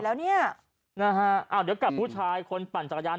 แล้วเนี่ยนะฮะอ้าวเดี๋ยวกับผู้ชายคนปั่นจักรยาน